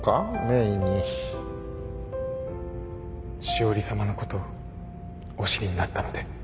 詩織さまのことをお知りになったので。